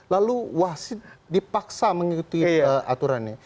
lalu wasid dipaksa mengikuti aturannya